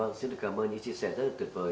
dạ vâng xin cảm ơn những chia sẻ rất là tuyệt vời